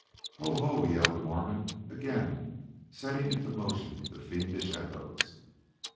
"Ho! Ho!" yelled the Mormon, again setting into motion the fiendish echoes.